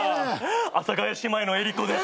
阿佐ヶ谷姉妹の江里子です。